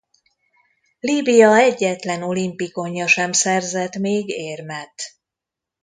Líbia egyetlen olimpikonja sem szerzett még érmet.